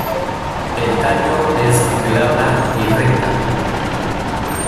El tallo es glabra y recta.